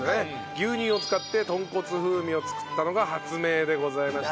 牛乳を使って豚骨風味を作ったのが発明でございました。